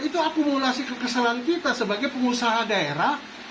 itu akumulasi kekesalan kita sebagai pengusaha daerah